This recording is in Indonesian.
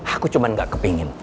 aku cuman gak kepingin